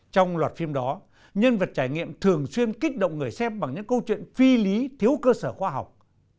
trong loạt phim đó nhân vật trải nghiệm thường xuyên kích động người xem bằng những câu chuyện phi lý thiếu cơ sở khoa học